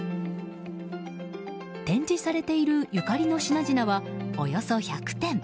展示されているゆかりの品々はおよそ１００点。